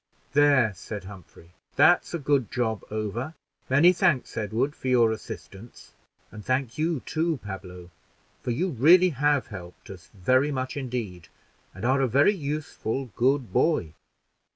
"There," said Humphrey, "that's a good job over; many thanks, Edward, for your assistance; and thank you, too, Pablo, for you really have helped us very much indeed, and are a very useful, good boy.